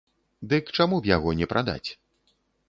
Дык чаму б яго не прадаць?